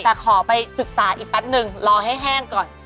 แต่ขอไปศึกษาอีกแป๊บนึงรอให้แห้งก่อน